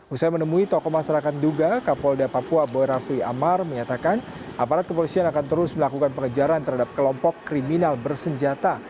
usai menemui tokoh masyarakat duga kapolda papua boy rafli amar menyatakan aparat kepolisian akan terus melakukan pengejaran terhadap kelompok kriminal bersenjata